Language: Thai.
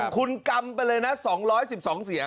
คุณกำไปเลยนะ๒๑๒เสียง